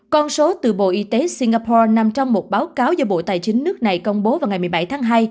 con số từ bộ y tế singapore nằm trong một báo cáo do bộ tài chính nước này công bố vào ngày một mươi bảy tháng hai